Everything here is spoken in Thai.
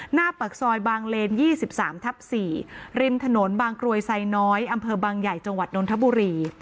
หน้าปากซอยบางเลน๒๓ทับ๔ริมถนนบางกรวยไซน้อยอำเภอบางใหญ่จังหวัดนนทบุรี